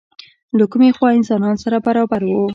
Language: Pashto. له کومې خوا انسانان سره برابر وو؟